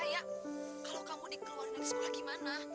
kalau kamu dikeluarin dari sekolah gimana